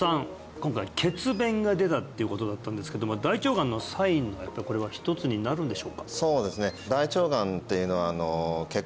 今回血便が出たっていうことだったんですけども大腸がんのサインのやっぱりこれは一つになるんでしょうか？